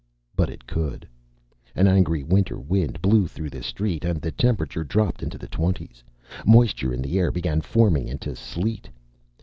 But it could. An angry winter wind blew through the streets, and the temperature dropped into the twenties. Moisture in the air began forming into sleet.